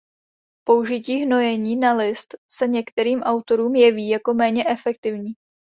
Použití hnojení na list se některým autorům jeví jako méně efektivní.